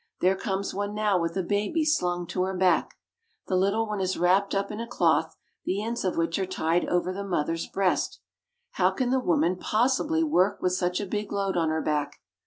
There comes one now with a baby slung to her back ; the little one is wrapped up in a cloth, the ends of which are tied over the mother's breast. How can the woman possibly work with such a big load on her back